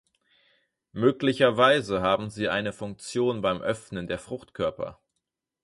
Möglicherweise haben sie eine Funktion beim Öffnen der Fruchtkörper.